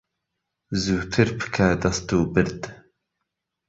زووتر پکه دهست و برد